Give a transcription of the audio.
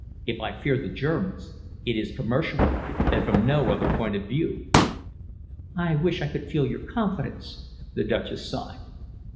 If I fear the Germans, it is commercially, and from no other point of view." "I wish I could feel your confidence," the Duchess sighed.